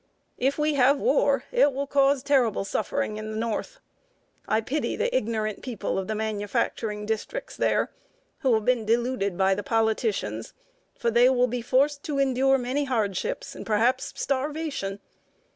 If we have war, it will cause terrible suffering in the North. I pity the ignorant people of the manufacturing districts there, who have been deluded by the politicians; for they will be forced to endure many hardships, and perhaps starvation.